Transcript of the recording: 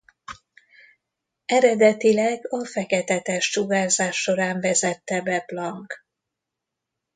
Eredetileg a feketetest-sugárzás során vezette be Planck.